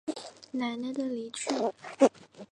奶奶的离去